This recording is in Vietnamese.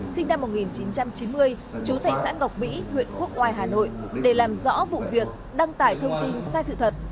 sinh năm một nghìn chín trăm chín mươi chú thạch xã ngọc mỹ huyện quốc oai hà nội để làm rõ vụ việc đăng tải thông tin sai sự thật